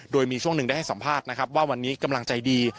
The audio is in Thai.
โดยมีช่วงหนึ่งได้ให้สัมภาษณ์นะครับว่าวันนี้กำลังใจดี